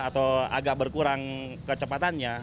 atau agak berkurang kecepatannya